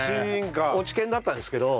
落研だったんですけど。